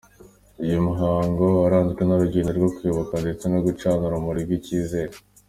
Uyu muhango waranzwe n’urugendo rwo kwibuka ndetse no gucana urumuri rw’ikizere.